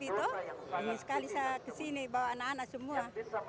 ingin sekali saya kesini bawa anak anak semua